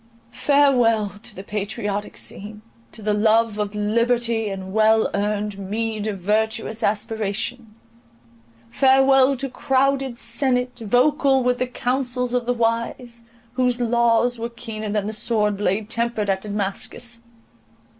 Farewell to the patriotic scene, to the love of liberty and well earned meed of virtuous aspiration!—farewell to crowded senate, vocal with the councils of the wise, whose laws were keener than the sword blade tempered at Damascus!